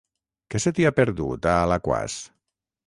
Què se t'hi ha perdut, a Alaquàs?